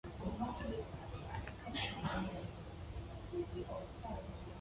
He was raised in Westwood and graduated from Dedham High School.